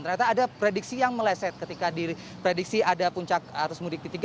ternyata ada prediksi yang meleset ketika diprediksi ada puncak arus mudik di tiga puluh